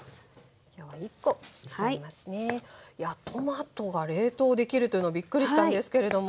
いやトマトが冷凍できるっていうのびっくりしたんですけれども。